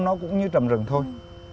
nó cũng như trầm rừng thôi